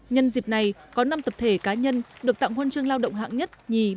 nhân dịp này có năm tập thể cá nhân được tặng huân chương lao động hạng nhất